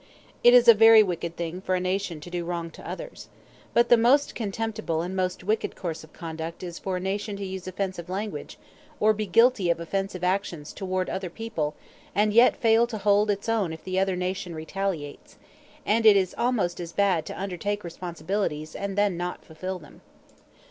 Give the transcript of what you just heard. It is a very wicked thing for a nation to do wrong to others. But the most contemptible and most wicked course of conduct is for a nation to use offensive language or be guilty of offensive actions toward other people and yet fail to hold its own if the other nation retaliates; and it is almost as bad to undertake responsibilities and then not fulfil them.